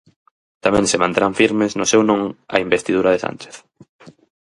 Tamén se manterán firmes no seu non a investidura de Sánchez.